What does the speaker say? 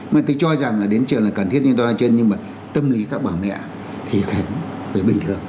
mà tôi cho rằng là đến trường là cần thiết nhưng mà tâm lý các bà mẹ thì phải bình thường